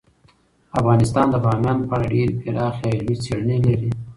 افغانستان د بامیان په اړه ډیرې پراخې او علمي څېړنې لري.